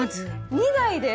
２台で？